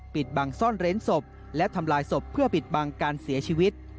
ปิดบังซ่อนเร้นศพและทำลายศพเพื่อปิดบังการเสียชีวิต